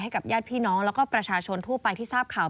ให้กับญาติพี่น้องแล้วก็ประชาชนทั่วไปที่ทราบข่าว